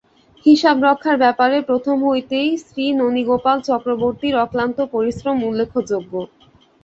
হিসাব-রক্ষার ব্যাপারে প্রথম হইতেই শ্রীননীগোপাল চক্রবর্তীর অক্লান্ত পরিশ্রম উল্লেখযোগ্য।